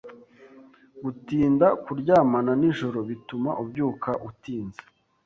Gutinda kuryamana nijoro bituma ubyuka utinze